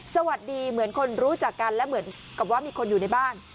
สวัสดีเหมือนคนรู้จักกันและเหมือนกับว่ามีคนอยู่ในบ้าน